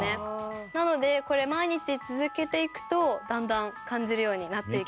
なのでこれ毎日続けていくとだんだん感じるようになっていきます。